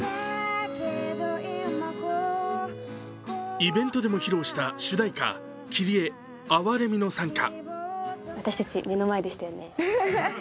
イベントでも披露した主題歌、「キリエ・憐れみの賛歌」。